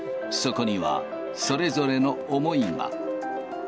そこにはそれぞれの思いが。